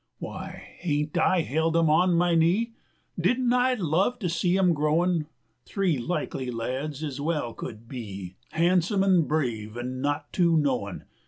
120 Why, hain't I held 'em on my knee? Didn't I love to see 'em growin', Three likely lads ez wal could be, Hahnsome an' brave an' not tu knowin'?